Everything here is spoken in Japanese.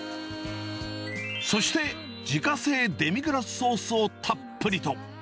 そして自家製デミグラスソースをたっぷりと。